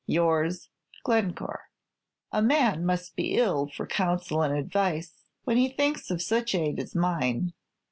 "Yours, "Glencore." "A man must be ill off for counsel and advice when he thinks of such aid as mine.